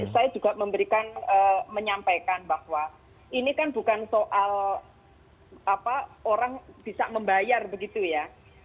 saya juga memberikan menyampaikan bahwa ini kan bukan soal orang bisa membayar begitu ya